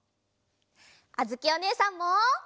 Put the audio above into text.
あづきおねえさんも！